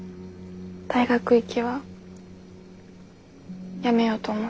大学行きはやめようと思ってる。